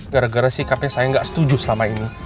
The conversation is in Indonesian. gara gara sikapnya saya nggak setuju selama ini